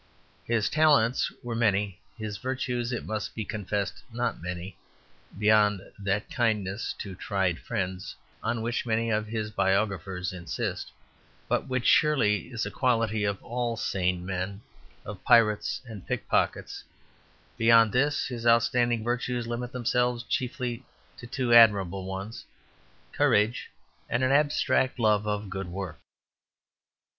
His talents were many, his virtues, it must be confessed, not many, beyond that kindness to tried friends, on which many of his biographers insist, but which surely is a quality of all sane men, of pirates and pickpockets; beyond this, his outstanding virtues limit themselves chiefly to two admirable ones courage and an abstract love of good work.